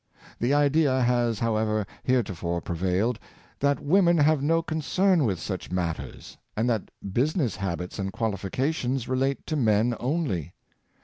The idea has, however, heretofore prevailed, that women have no concern with such matters, and that business habits and qualifications relate to men only.